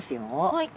はい。